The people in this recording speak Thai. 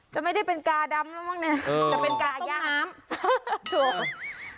จะไม่ได้เป็นกาดำแล้วมั้งเนี่ยจะเป็นกาย่าน้ำ